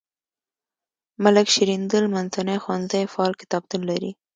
ملک شیریندل منځنی ښوونځی فعال کتابتون لري.